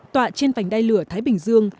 tọa trên vành đai lửa thái bình dương